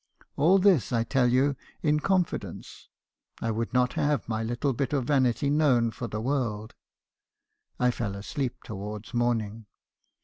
All this 1 tell you in confidence. I would not have my little bit of vanity known for the world. I fell asleep towards morning.